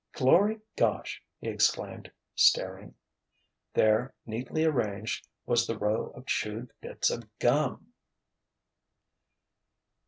"Glory gosh!" he exclaimed, staring. There, neatly arranged, was the row of chewed bits of gum!